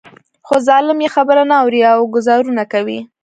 خو ظالم يې خبره نه اوري او ګوزارونه کوي.